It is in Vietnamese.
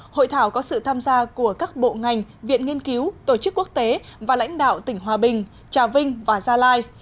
hội thảo có sự tham gia của các bộ ngành viện nghiên cứu tổ chức quốc tế và lãnh đạo tỉnh hòa bình trà vinh và gia lai